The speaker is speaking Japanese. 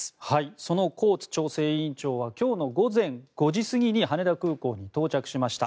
そのコーツ調整委員長は今日の午前５時過ぎに羽田空港に到着しました。